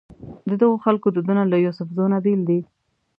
ددغو خلکو دودونه له یوسفزو نه بېل دي.